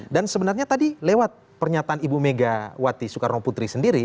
dan sebenarnya tadi lewat pernyataan ibu mega wati soekarnoputri sendiri